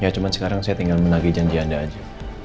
ya cuma sekarang saya tinggal menagih janji anda aja